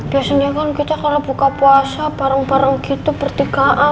biasanya kan kita kalau buka puasa parung parung gitu bertigaan